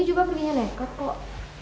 ini juga belinya neket kok